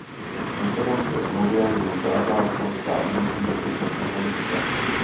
V Lisabonské smlouvě není žádná společná vnější bezpečnostní politika.